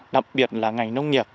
đặc biệt là ngành nông nghiệp